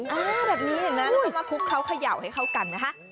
เท่านี้นะต้องมาคุกเขาขย่าวให้เขากันนะครับ